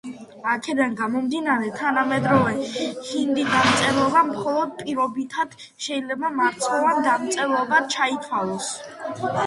აქედან გამომდინარე, თანამედროვე ჰინდი–დამწერლობა მხოლოდ პირობითად შეიძლება მარცვლოვან დამწერლობად ჩაითვალოს.